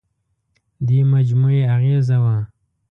دې مجموعې اغېزه وه.